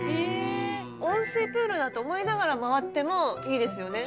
温水プールだと思いながら回ってもいいですよね。